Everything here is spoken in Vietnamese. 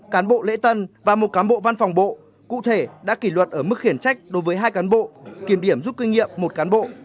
cán bộ lễ tân và một cán bộ văn phòng bộ cụ thể đã kỷ luật ở mức khiển trách đối với hai cán bộ kiểm điểm rút kinh nghiệm một cán bộ